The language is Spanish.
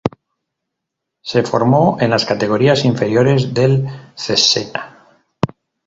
Se formó en las categorías inferiores del Cesena.